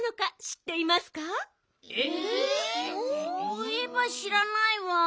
そういえばしらないわ。